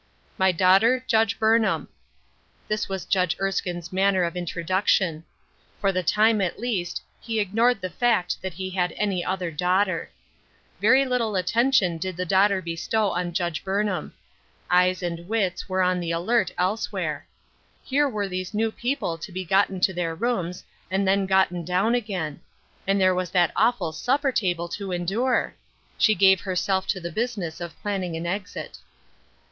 " My daughter, Judge Bumham." This was Judge Erskiue's manner of introduction. For the time, at least, he ignored the fact that he had any other daughter. Very little attention did the daughter bestow on Judge Burnham ; eyes 12 Ruth Erskine's Crosses, and wits were on the alert elsewhere. Here were these new people to be gotten to theii rooms, and then gotten down again ; and there was that awful supper table to endure I She gave herself to the business of planning an exiv.